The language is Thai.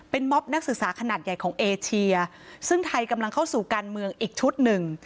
ม็อบนักศึกษาขนาดใหญ่ของเอเชียซึ่งไทยกำลังเข้าสู่การเมืองอีกชุดหนึ่ง